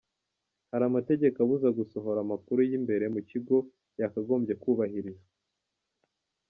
Hari amategeko abuza gusohora amakuru y’imbere mu kigo yakagombye kubahirizwa.